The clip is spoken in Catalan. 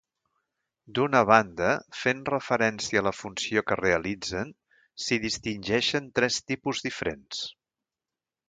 D'una banda, fent referència a la funció que realitzen, s’hi distingeixen tres tipus diferents.